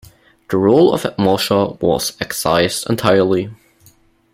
The role of Ed Mosher was excised entirely.